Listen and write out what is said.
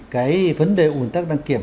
cái vấn đề ủn tắc đăng kiểm